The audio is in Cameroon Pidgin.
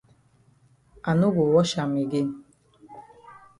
I no go wash am again.